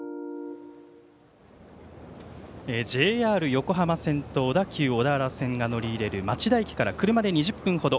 ＪＲ横浜線と小田急小田原線が乗り入れる町田駅から車で２０分ほど。